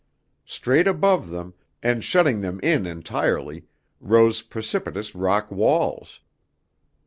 Straight above them, and shutting them in entirely, rose precipitous rock walls.